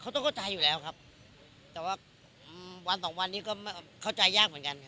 เขาต้องเข้าใจอยู่แล้วครับแต่ว่าวันสองวันนี้ก็เข้าใจยากเหมือนกัน